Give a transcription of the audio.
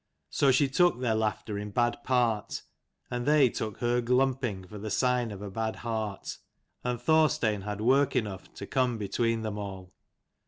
So she took their laughter in bad part : and they took her glumping for the sign of a bad heart : and Thorstein had work enough to come between 168 them all.